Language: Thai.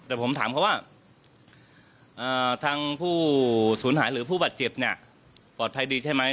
แต่ผมถามเขาว่าทางผู้สูญหายหรือผู้บาดเจ็บเนี่ยปลอดภัยดีใช่ไหม